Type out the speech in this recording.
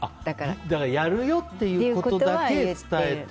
やるよっていうことだけ伝えて。